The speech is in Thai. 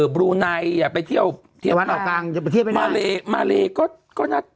บรูไนท์อย่าไปเที่ยวที่วันออกกลางจะประเทศไปน่ะมาเลมาเลก็ก็น่ะ